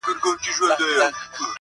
شراکت خو له کمزورو سره ښایي٫